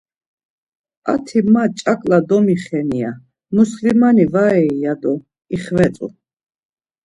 Arti ma ç̌aǩla domixeni da muslimani varei! ya do ixvetzu.